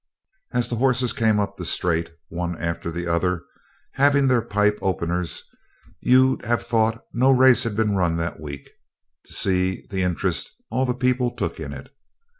As the horses came up the straight, one after the other, having their pipe openers, you'd have thought no race had been run that week, to see the interest all the people took in it.